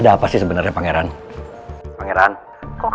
tapi sepenuhnya larut lo kita nyantai